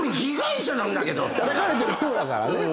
たたかれてる方だからね。